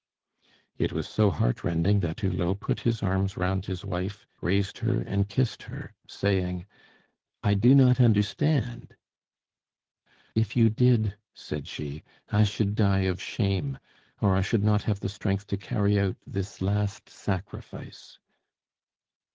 It was so heart rending that Hulot put his arms round his wife, raised her and kissed her, saying: "I do not understand." "If you did," said she, "I should die of shame, or I should not have the strength to carry out this last sacrifice."